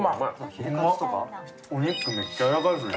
お肉めっちゃやわらかいですね。